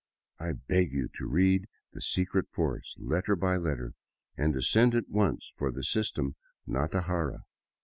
I beg you to read the " Secret Force," letter by letter, and to send at once for the system " Natajara."